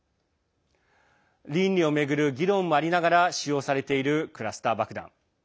倫理を巡る議論もありながら使用されているクラスター爆弾。